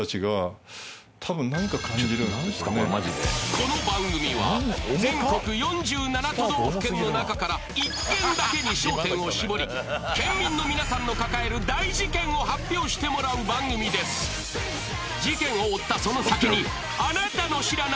この番組は全国４７都道府県の中から１県だけに焦点を絞り県民の皆さんの抱える大事ケンを発表してもらう番組ですが見えてくる！